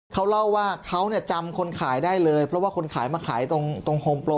เขาเล่าว่าเขาเนี่ยจำคนขายได้เลยเพราะว่าคนขายมาขายตรงโฮมโปร